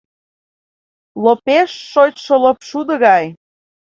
Лопеш шочшо лопшудо гай.